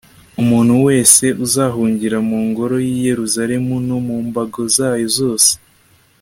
umuntu wese uzahungira mu ngoro y'i yeruzalemu no mu mbago zayo zose